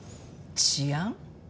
治安？